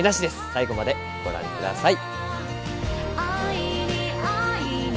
最後までご覧ください。